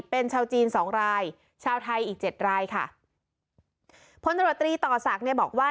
เป็นชาวจีนสองรายชาวไทยอีกเจ็ดรายค่ะพลตรวจตรีต่อศักดิ์เนี่ยบอกว่า